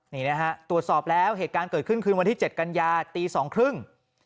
นี่นะฮะตรวจสอบแล้วเหตุการณ์เกิดขึ้นคืนวันที่๗กันยาตีสองครึ่ง